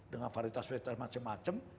dengan varitas varietas macam macam